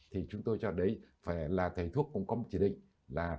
thì chúng tôi cho đấy phải là thầy thuốc cũng có một chỉ định là